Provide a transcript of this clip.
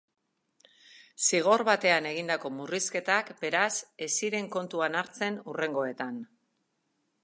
Zigor batean egindako murrizketak, beraz, ez ziren kontuan hartzen hurrengoetan.